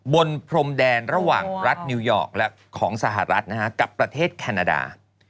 พรมแดนระหว่างรัฐนิวยอร์กและของสหรัฐกับประเทศแคนาดา